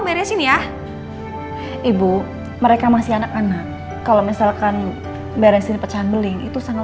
beresin ya ibu mereka masih anak anak kalau misalkan beresin pecahan beli itu sangat